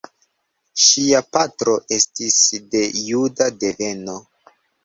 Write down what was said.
Ŝia patro estis de juda deveno.